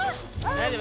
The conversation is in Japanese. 大丈夫？